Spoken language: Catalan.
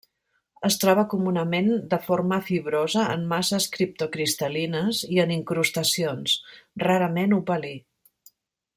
Es troba comunament de forma fibrosa, en masses criptocristal·lines i en incrustacions; rarament opalí.